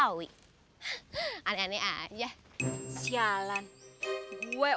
sumpah berbicara saja ya pak antoni